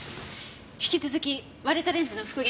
引き続き割れたレンズの復元お願いね。